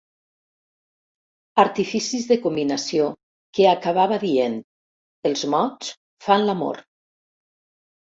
Artificis de combinació que acabava dient «els mots fan l'amor».